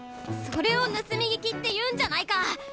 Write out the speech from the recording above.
それを盗み聞きって言うんじゃないか！